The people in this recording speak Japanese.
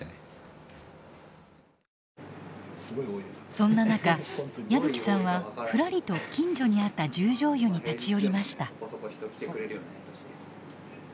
そんな中矢吹さんはふらりと近所にあった十條湯に立ち寄りました。